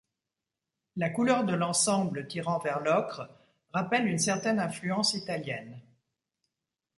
La couleur de l'ensemble tirant vers l'ocre rappelle une certaine influence italienne.